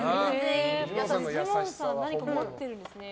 フジモンさん何か持ってるんですね。